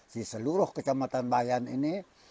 di seluruh kecamatan bayan ini